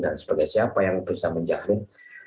dan sebagai siapa yang bisa menjamin